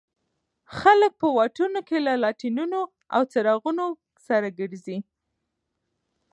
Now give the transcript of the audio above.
خلک په واټونو کې له لاټېنونو او څراغونو سره ګرځي.